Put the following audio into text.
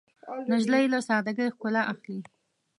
نجلۍ له سادګۍ ښکلا اخلي.